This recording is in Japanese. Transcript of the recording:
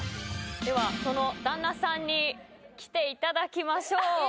ではその旦那さんに来ていただきましょう。